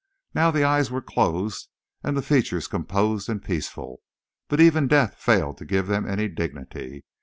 Now the eyes were closed and the features composed and peaceful, but even death failed to give them any dignity.